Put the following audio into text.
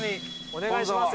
お願いします！